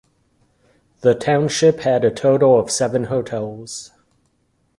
The township had a total of seven hotels.